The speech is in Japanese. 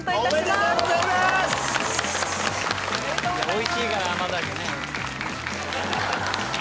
おいしいから甘酒ね。